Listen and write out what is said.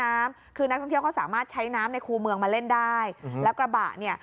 นักท่องเที่ยวเขาสามารถใช้น้ำในคู่เมืองมาเล่นได้แล้วกระบะเนี่ย